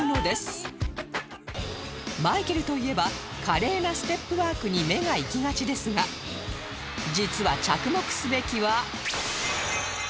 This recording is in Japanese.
マイケルといえば華麗なステップワークに目が行きがちですが実は着目すべきは